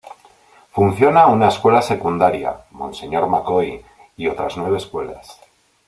Funciona una escuela secundaria, Monseñor McCoy, y otras nueve escuelas.